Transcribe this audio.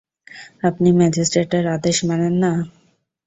আপনি ম্যাজিস্ট্রেটের আদেশ মানেন না?